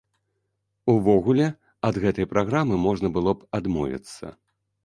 Увогуле, ад гэтай праграмы можна было б адмовіцца.